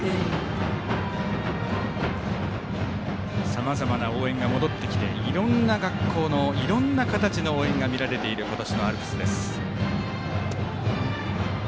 さまざまな応援が戻ってきていろんな学校のいろんな形が見られている今年のアルプスです。